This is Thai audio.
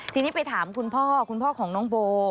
ทีนี้ไปถามคุณพ่อคุณพ่อของน้องโบ